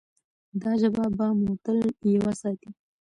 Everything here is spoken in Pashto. دا ژبه به مو تل یوه ساتي.